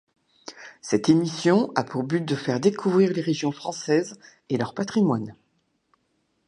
Cette émission a pour but de faire découvrir les régions françaises et leur patrimoine.